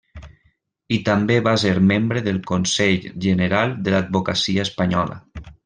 I també va ser membre del Consell General de l'Advocacia Espanyola.